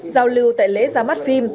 giao lưu tại lễ ra mắt phim